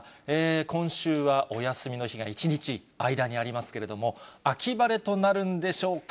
今週はお休みの日が１日、間にありますけれども、秋晴れとなるんでしょうか。